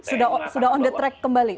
sudah on the track kembali